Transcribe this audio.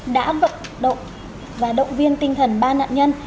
đã vận động và động viên tinh thần ba nạn nhân